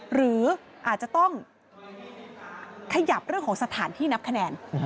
หรืออาจจะต้องขยับเรื่องของสถานที่นับคะแนน